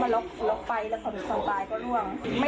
แล้วก็จะมีคนนางานเขามาล๊อคไฟ